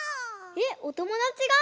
えっおともだちが？